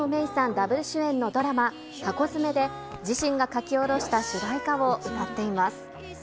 ダブル主演のドラマ、ハコヅメで、自身が書き下ろした主題歌を歌っています。